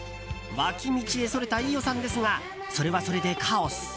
脇道へそれた飯尾さんですがそれはそれでカオス。